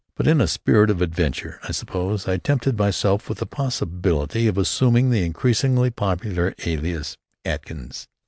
But, in a spirit of adventure, I suppose, I tempted myself with the possibility of assuming the increasingly popular alias, Atkins.